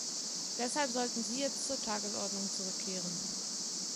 Deshalb sollten Sie jetzt zur Tagesordnung zurückkehren.